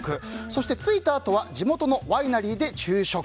そして、着いたあとは地元のワイナリーで昼食。